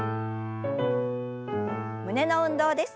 胸の運動です。